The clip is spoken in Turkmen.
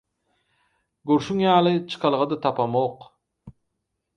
Görşüň ýaly, çykalga-da tapamok.